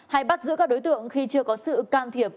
hay bắt giữ các đối tượng khi chưa có sự can thiệp